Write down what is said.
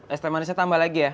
es temanisnya tambah lagi ya